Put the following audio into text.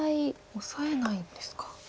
オサえないんですか。